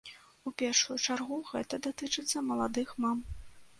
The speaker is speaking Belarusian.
У першую чаргу, гэта датычыцца маладых мам.